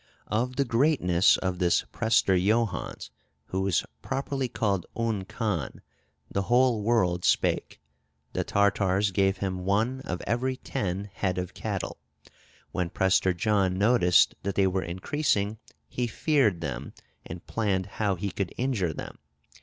Of the greatness of this Prester Johannes, who was properly called Un Khan, the whole world spake; the Tartars gave him one of every ten head of cattle. When Prester John noticed that they were increasing, he feared them, and planned how he could injure them.